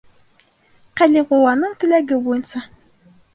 Калигуланың теләге буйынса.